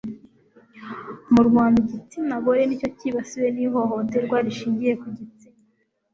mu rwanda, igitsina gore nicyo cyibasirwa n'ihohoterwa rishingiye ku gitsina